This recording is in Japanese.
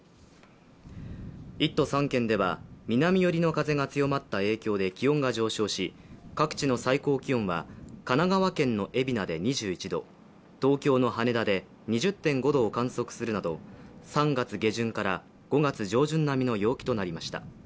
１都３県では南寄りの風が強まった影響で気温が上昇し、各地の最高気温は神奈川県の海老名で２１度、東京の羽田で２０．５度を観測するなど３月下旬から５月上旬並みの陽気となりました。